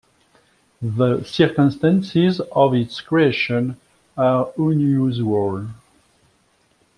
The circumstances of its creation are unusual.